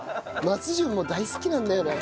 松潤も大好きなんだよな。